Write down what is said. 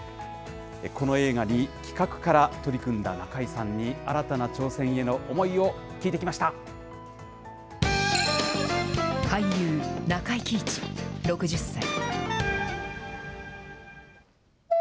この映画に企画から取り組んだ中井さんに、新たな挑戦への思いを俳優、中井貴一６０歳。